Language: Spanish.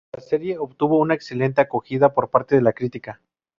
La serie obtuvo una excelente acogida por parte de la crítica.